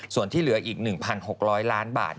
ส่วนที่เหลืออีก๑๖๐๐ล้านบาท